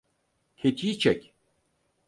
Tetiği çek.